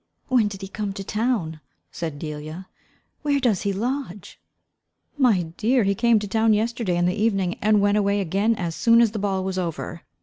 "When did he come to town?" said Delia, "Where does he lodge?" "My dear, he came to town yesterday in the evening, and went away again as soon as the ball was over.